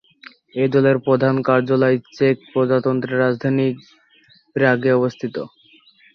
এই দলের প্রধান কার্যালয় চেক প্রজাতন্ত্রের রাজধানী প্রাগে অবস্থিত।